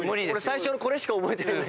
最初のこれしか覚えてない。